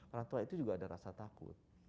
orang tua itu juga ada rasa takut